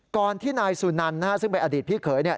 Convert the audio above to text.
ก่อนที่นายสุนันนะฮะซึ่งเป็นอดีตพี่เขยเนี่ย